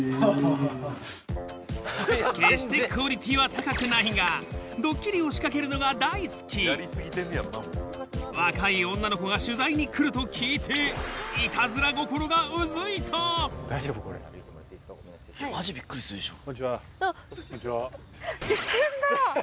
決してクオリティーは高くないがドッキリを仕掛けるのが大好き若い女の子が取材に来ると聞いていたずら心がうずいたマジビックリするでしょ。